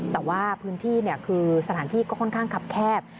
แต่ว่าพื้นที่คือสถานที่ก็ค่อนข้างคับแคบ